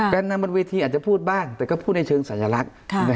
การนำบนเวทีอาจจะพูดบ้างแต่ก็พูดในเชิงสัญลักษณ์